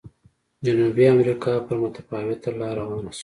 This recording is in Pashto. جنوبي امریکا پر متفاوته لار روانه شوه.